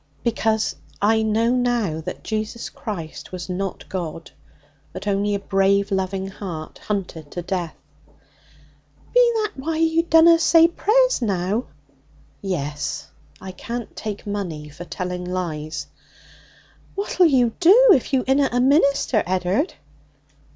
'Because I know now that Jesus Christ was not God, but only a brave, loving heart hunted to death.' 'Be that why you dunna say prayers now?' 'Yes. I can't take money for telling lies.' 'What'll you do if you inna a minister, Ed'ard?'